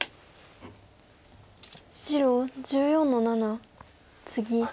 白１４の七ツギ。